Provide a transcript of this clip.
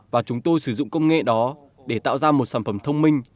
và chúng tôi sử dụng công nghệ đó để tạo ra một sản phẩm thông minh